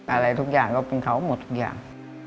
อะไรทุกอย่างก็เป็นเขาหมดทุกอย่าง